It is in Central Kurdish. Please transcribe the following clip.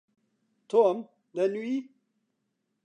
تۆم، دەنووی؟